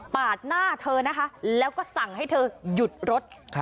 หน้าเธอนะคะแล้วก็สั่งให้เธอหยุดรถ